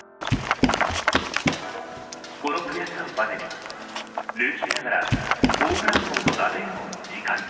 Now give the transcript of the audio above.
この悔しさをバネにルーキーながらホームラン王と打点王の２冠に。